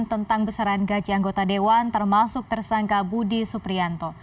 tentang besaran gaji anggota dewan termasuk tersangka budi suprianto